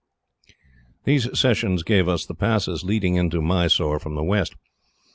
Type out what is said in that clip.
These cessions gave us the passes leading into Mysore from the west.